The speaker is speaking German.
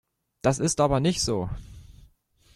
Das ist aber nicht so.